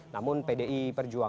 namun pdi perjuangan masih berantakan